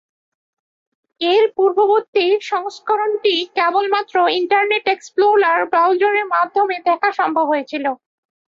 এর পূর্ববর্তী সংস্করণটি কেবলমাত্র ইন্টারনেট এক্সপ্লোরার ব্রাউজারের মাধ্যমে দেখা সম্ভব ছিল।